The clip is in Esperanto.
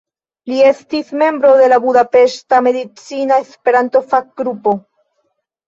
Li estis membro en la Budapeŝta Medicina Esperanto-Fakgrupo.